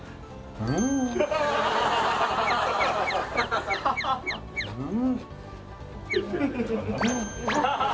うんうん